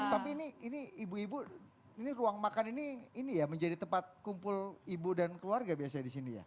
tapi ini ibu ibu ini ruang makan ini ini ya menjadi tempat kumpul ibu dan keluarga biasanya di sini ya